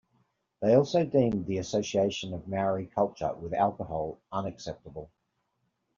They also deemed the association of Maori culture with alcohol unacceptable.